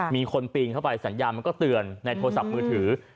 มีคนปีนเข้าไปสัญญาณมันก็เตือนในโทรศัพท์มือถือ